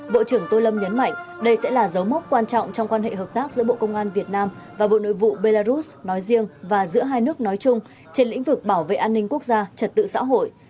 bộ trưởng tô lâm nhấn mạnh đây sẽ là dấu mốc quan trọng trong quan hệ hợp tác giữa bộ công an việt nam và bộ nội vụ belarus nói riêng và giữa hai nước nói chung trên lĩnh vực bảo vệ an ninh quốc gia trật tự xã hội